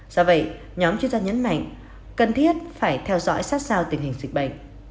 do vậy nhóm chuyên gia nhấn mạnh cần thiết phải theo dõi sát sao tình hình dịch bệnh